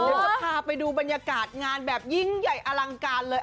เดี๋ยวจะพาไปดูบรรยากาศงานแบบยิ่งใหญ่อลังการเลย